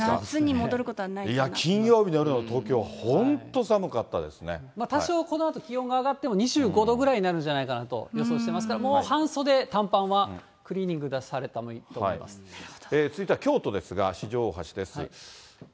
いや、金曜日の夜の東京は、多少、このあと気温が上がっても、２５度くらいになるんじゃないかなと予想してますが、もう半袖、短パンはクリーニング出されていいと続いては京都ですが、しじょう大橋です。